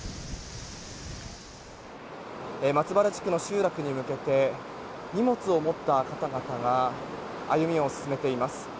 松原地区の集落に向けて荷物を持った方々が歩みを進めています。